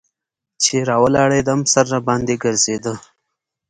چې راولاړېدم سر راباندې ګرځېده.